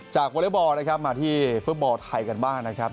จากวอลเลฟบอลมาที่ฟื้อบอลไทยกันบ้างนะครับ